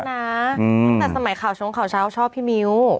แต่สมัยข่าวช้องข่าวชาวชอบพี่มิ้ว